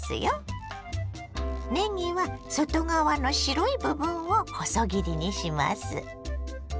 ねぎは外側の白い部分を細切りにします。